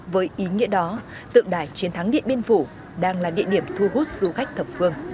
với ý nghĩa đó tượng đài chiến thắng điện biên phủ đang là địa điểm thu hút du khách thập phương